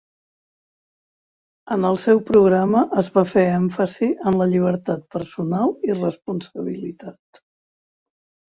En el seu programa es va fer èmfasi en la llibertat personal i responsabilitat.